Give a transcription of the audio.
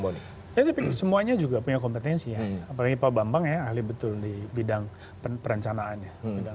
boni semuanya juga punya kompetensi apalagi pak bambang ya betul di bidang perencanaannya